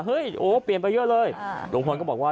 โอ้เปลี่ยนไปเยอะเลยลุงพลก็บอกว่า